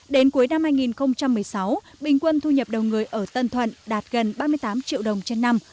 đến cuối năm hai nghìn một mươi sáu bình quân thu nhập đầu người ở tân thuận đạt gần ba mươi tám triệu đồng trên năm